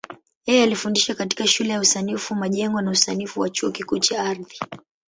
Yeye alifundisha katika Shule ya Usanifu Majengo na Usanifu wa Chuo Kikuu cha Ardhi.